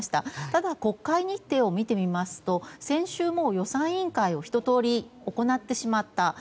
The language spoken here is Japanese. ただ、国会日程を見てみますと先週、予算委員会をひととおり行ってしまった。